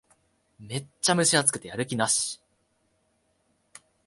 めっちゃ蒸し暑くてやる気なし